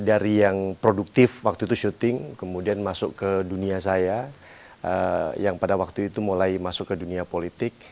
dari yang produktif waktu itu syuting kemudian masuk ke dunia saya yang pada waktu itu mulai masuk ke dunia politik